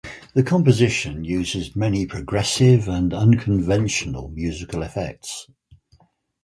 The composition uses many progressive and unconventional musical effects.